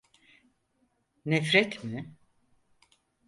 Nefret mi?